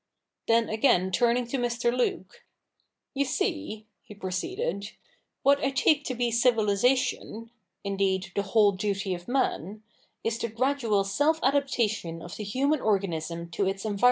' Then again turning to Mr. Luke, 'You see,' he pro ceeded, ' what I take to be civilisation — indeed, the whole duty of man — is the gradual self adaptation of the human organism to its env!.